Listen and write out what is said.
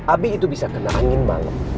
abi itu bisa kena angin malam